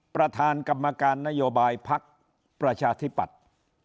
ประธานกรรมการนโยบายพักประชาธิปัตย์